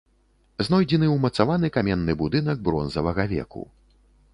Знойдзены ўмацаваны каменны будынак бронзавага веку.